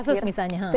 contoh kasus misalnya